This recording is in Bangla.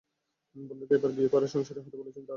বন্ধুকে এবার বিয়ে করে সংসারী হতে বলছেন দ্য রিডার তারকা কেট।